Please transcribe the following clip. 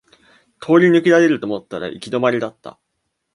通り抜けられると思ったら行き止まりだった